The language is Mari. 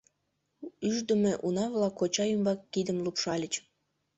Ӱждымӧ уна-влак коча ӱмбак кидым лупшальыч.